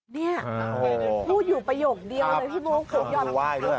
เนี่ยพูดอยู่ประโยคเดียวเลยพี่โมงคุกยอมติดคุกครับคุกว่ายด้วย